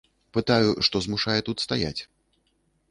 Пытаю, што змушае тут стаяць.